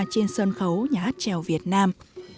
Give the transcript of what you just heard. trên sân khấu nhà trèo việt nam